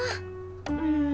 うん。